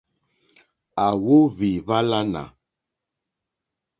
À óhwì hwálánà.